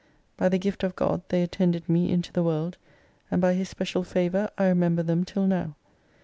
By the Gift of God they attended me into the world, and by His special favour I remember them till now.